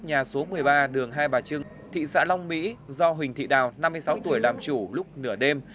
nhà số một mươi ba đường hai bà trưng thị xã long mỹ do huỳnh thị đào năm mươi sáu tuổi làm chủ lúc nửa đêm